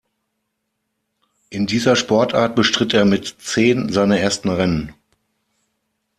In dieser Sportart bestritt er mit Zehn seine ersten Rennen.